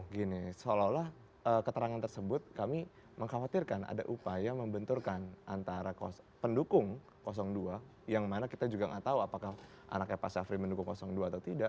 gini seolah olah keterangan tersebut kami mengkhawatirkan ada upaya membenturkan antara pendukung dua yang mana kita juga nggak tahu apakah anaknya pak syafri mendukung dua atau tidak